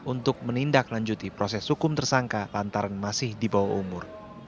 untuk menindaklanjuti proses hukum tersangka lantaran masih di bawah umur